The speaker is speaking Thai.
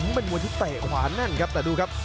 เป็นมัวที่ตั้งขวานั่นครับ